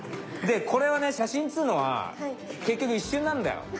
でこれはね写真っつうのは結局一瞬なんだよ。